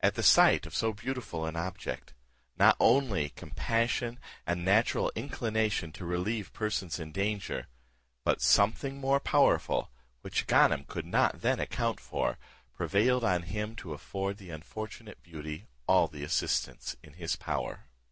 At the sight of so beautiful an object, not only compassion and natural inclination to relieve persons in danger, but something more powerful, which Ganem could not then account for, prevailed on him to afford the unfortunate beauty all the assistance in his power.